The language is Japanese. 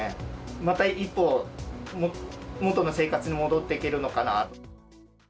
また一歩、元の生活に戻っていけるのかなと。